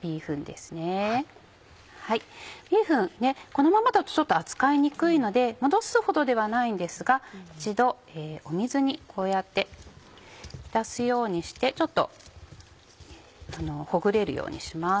ビーフンこのままだと扱いにくいので戻すほどではないんですが一度水にこうやって浸すようにしてちょっとほぐれるようにします。